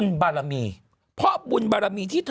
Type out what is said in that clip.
นั่นไง